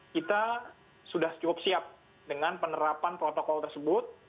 kita sudah cukup siap dengan penerapan protokol tersebut